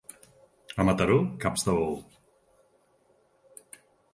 A Mataró, caps de bou.